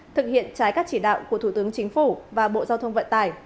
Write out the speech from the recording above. thực hiện trái các chỉ đạo của thủ tướng chính phủ và bộ giao thông vận tải